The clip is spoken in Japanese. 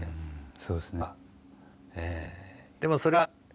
そうですね。